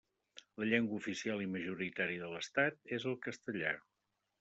La llengua oficial i majoritària de l'Estat és el castellà.